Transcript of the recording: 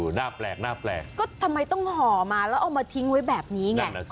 หน้าแปลกหน้าแปลกก็ทำไมต้องห่อมาแล้วเอามาทิ้งไว้แบบนี้ไง